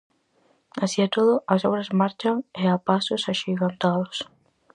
Así e todo, as obras marchan, e a pasos axigantados.